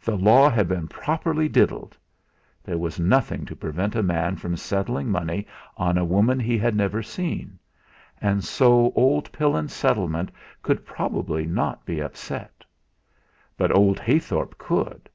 The law had been properly diddled! There was nothing to prevent a man from settling money on a woman he had never seen; and so old Pillin's settlement could probably not be upset. But old Heythorp could.